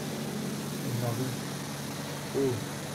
Elle m’a vu… –––––– Haut.